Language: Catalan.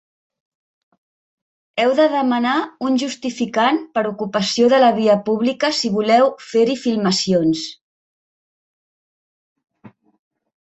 Heu de demanar un justificant per ocupació de la via pública si voleu fer-hi filmacions.